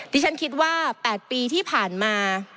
ที่ฉันคิดว่า๘ปีที่ผ่านมา